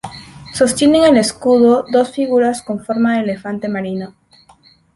Sostienen el escudo dos figuras con forma de elefante marino.